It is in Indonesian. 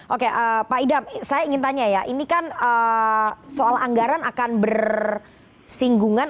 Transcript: oke pak idam saya ingin tanya ya ini kan soal anggaran akan bersinggungan